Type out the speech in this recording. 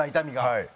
はい。